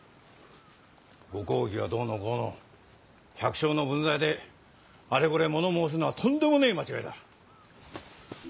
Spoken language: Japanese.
ご公儀がどうのこうの百姓の分際であれこれ物申すのはとんでもねぇ間違いだ。